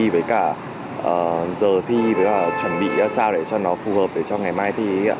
với cả giờ thi với cả chuẩn bị sao để cho nó phù hợp để cho ngày mai thi